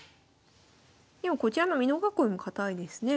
でもこちらの美濃囲いも堅いですね。